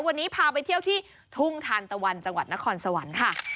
วันนี้พาไปเที่ยวที่ทุ่งทานตะวันจังหวัดนครสวรรค์ค่ะ